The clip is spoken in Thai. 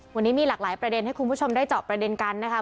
วันนี้มีหลากหลายประเด็นให้คุณผู้ชมได้เจาะประเด็นกันนะคะ